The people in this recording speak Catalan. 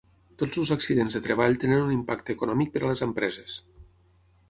Tots els accidents de treball tenen un impacte econòmic per a les empreses.